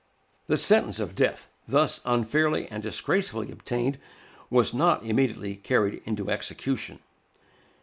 The sentence of death thus unfairly and disgracefully obtained was not immediately carried into execution.